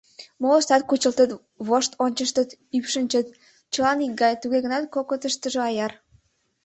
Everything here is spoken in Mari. Молыштат кучылтыт, вошт ончыштыт, ӱпшынчыт — чылан икгай, туге гынат кокытыштыжо аяр.